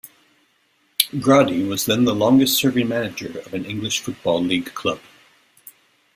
Gradi was then the longest serving manager of an English football league club.